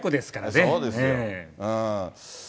そうですよ。